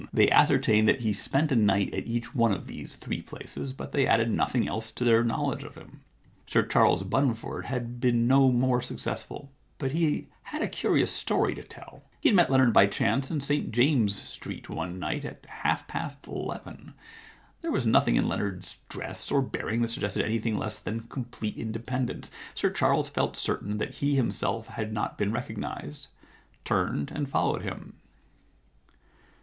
They ascertained that he spent a night at each one of these three places, but they added nothing else to their knowledge of him. Sir Charles Bunford had been no more successful, but he had a curious story to tell, III The Problem Club He had met Leonard by chance in St James's Street one night at half past eleven. There was nothing in Leonard's dress or bearing that suggested anything less than complete independence. Sir Charles felt certain that he himself had not been recognised, turned, and followed him.